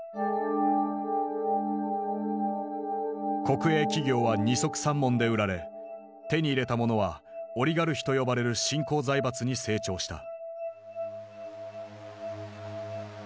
国営企業は二束三文で売られ手に入れた者はオリガルヒと呼ばれる新興財閥に成長した。